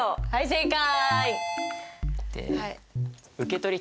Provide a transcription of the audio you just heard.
正解！